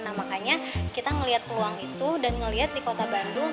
nah makanya kita ngeliat peluang itu dan ngelihat di kota bandung